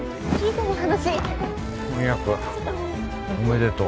婚約おめでとう。